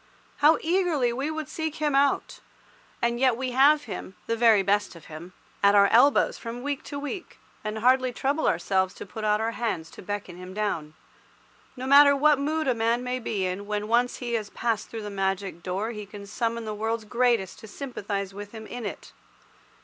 How eagerly we would seek him out! And yet we have him—the very best of him—at our elbows from week to week, and hardly trouble ourselves to put out our hands to beckon him down. No matter what mood a man may be in, when once he has passed through the magic door he can summon the world's greatest to sympathize with him in it.